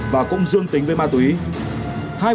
và cũng dương tính với mọi người